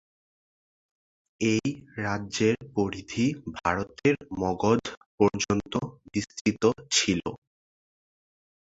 এই রাজ্যের পরিধি ভারতের মগধ পর্যন্ত বিস্তৃত ছিল।